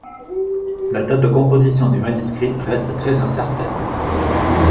La date de composition du manuscrit reste très incertaine.